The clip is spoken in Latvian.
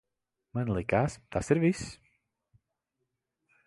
Man likās, tas ir viss.